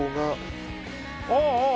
ああああ！